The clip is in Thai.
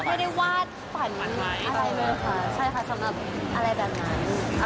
ไม่ได้วาดฝันอะไรเลยค่ะ